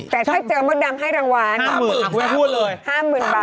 แต่ถ้าเจอมดดำให้รางวัล๕๐๐๐๐บาท